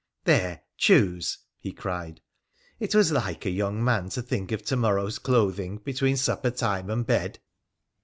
'There, choose!' he cried. 'It was like a young man, to think of to morrow's clothing, between supper time and bed.'